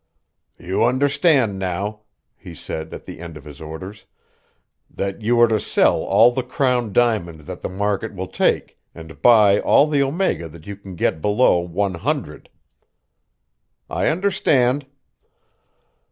"You understand now," he said at the end of his orders, "that you are to sell all the Crown Diamond that the market will take, and buy all the Omega that you can get below one hundred." "I understand."